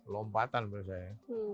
lompatan menurut saya